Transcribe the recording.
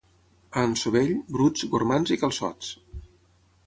A Ansovell, bruts, gormands i calçots.